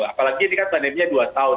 apalagi ini kan pandeminya dua tahun